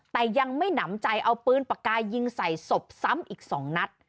แต่ยังไม่หนำใจเอาปืนปากกายิงใส่ศพซ้ำอีก๒นัด